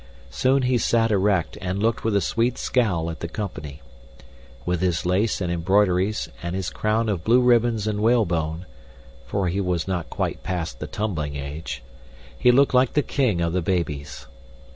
Soon he sat erect and looked with a sweet scowl at the company. With his lace and embroideries and his crown of blue ribbon and whalebone (for he was not quite past the tumbling age), he looked like the king of the babies.